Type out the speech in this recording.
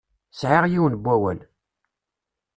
Sɛiɣ yiwen n wawal.